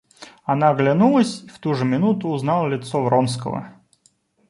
Она оглянулась и в ту же минуту узнала лицо Вронского.